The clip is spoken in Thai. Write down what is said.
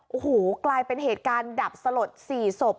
โอ้โหกลายเป็นเหตุการณ์ดับสลด๔ศพ